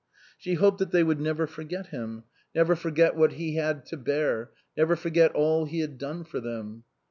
She hoped that they would never forget him, never forget what he had to bear, never forget all he had done for them.